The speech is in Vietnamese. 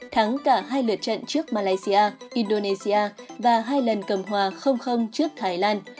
thắng cả hai lượt trận trước malaysia indonesia và hai lần cầm hòa trước thái lan